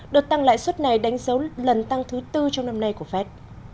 đột tăng lãi suất này đánh dấu lần tăng thứ tư trong năm nay của fed